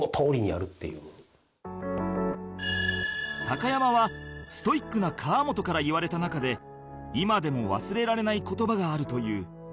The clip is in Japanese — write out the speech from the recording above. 高山はストイックな河本から言われた中で今でも忘れられない言葉があるという